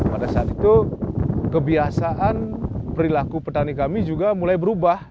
pada saat itu kebiasaan perilaku petani kami juga mulai berubah